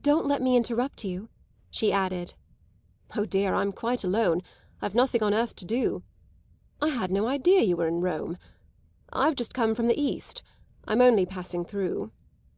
"Don't let me interrupt you," she added. "Oh dear, I'm quite alone, I've nothing on earth to do. I had no idea you were in Rome. I've just come from the East. I'm only passing through."